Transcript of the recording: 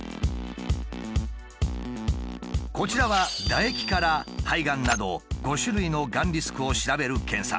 こちらは唾液から肺がんなど５種類のがんリスクを調べる検査。